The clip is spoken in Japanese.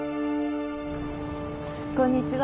こんにちは。